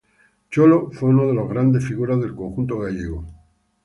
Cholo fue una de las grandes figuras del conjunto gallego.